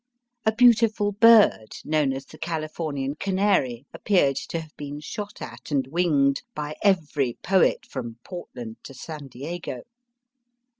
A beautiful bird known as the Californian Canary appeared to have been shot at and winged by every poet from Portland to San Diego.